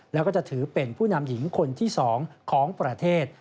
แล้วก็จะถือเป็นผู้นำหญิงคนที่๒ของประเทศ